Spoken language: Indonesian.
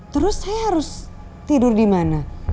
terus saya harus tidur dimana